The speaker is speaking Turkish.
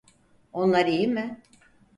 Onlar iyi mi?